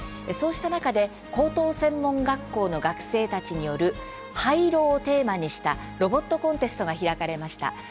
そうした中で高等専門学校の学生たちによる廃炉をテーマにしたロボットコンテストが開かれました。